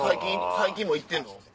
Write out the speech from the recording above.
最近も行ってんの？